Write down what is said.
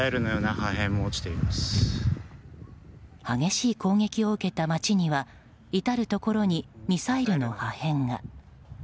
激しい攻撃を受けた街には至るところにミサイルの破片が。